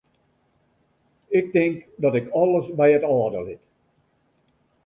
Ik tink dat ik alles by it âlde lit.